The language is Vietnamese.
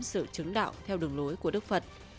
sự chứng đạo theo đường lối của đức phật